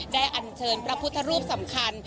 อันเชิญพระพุทธรูปสำคัญ